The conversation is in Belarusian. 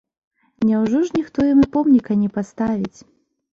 Няўжо ж ніхто ім і помніка не паставіць?